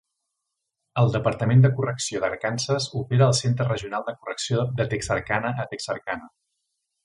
El Departament de Correcció d'Arkansas opera el Centre Regional de Correcció de Texarkana a Texarkana.